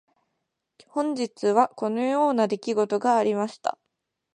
本日はこのような出来事がありました。